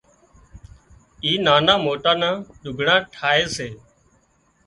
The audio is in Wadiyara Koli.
آي نانان موٽان نان لُگھڙان ٺاهي سي